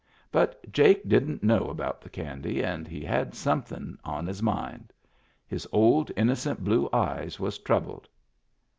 But Jake didn't know about the candy and he had somethin' on his mind. His old innocent blue eyes was troubled.